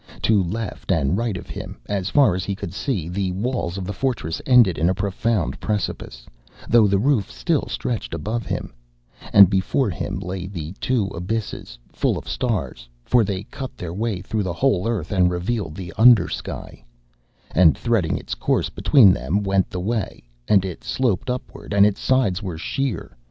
To left and right of him, as far as he could see, the walls of the fortress ended in a profound precipice, though the roof still stretched above him; and before him lay the two abysses full of stars, for they cut their way through the whole Earth and revealed the under sky; and threading its course between them went the way, and it sloped upward and its sides were sheer.